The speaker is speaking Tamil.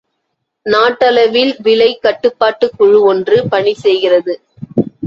நாட்டளவில் விலைக் கட்டுப்பாட்டுக் குழு ஒன்று பணி செய்கிறது.